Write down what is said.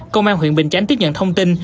công an huyện bình chánh tiếp nhận thông tin